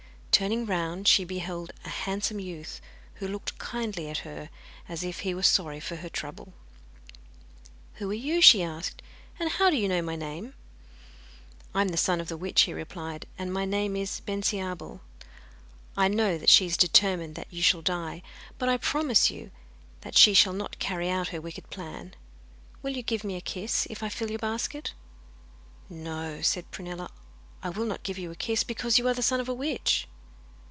Turning round she beheld a handsome youth, who looked kindly at her, as if he were sorry for her trouble. 'Who are you,' she asked, 'and how do you know my name?' 'I am the son of the witch,' he replied, 'and my name is Bensiabel. I know that she is determined that you shall die, but I promise you that she shall not carry out her wicked plan. Will you give me a kiss, if I fill your basket?' 'No,' said Prunella, 'I will not give you a kiss, because you are the son of a witch.